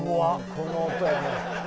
この音やねん。